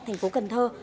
thành phố cần thơ